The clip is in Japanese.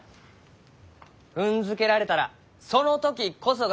踏んづけられたらその時こそが変化の機会。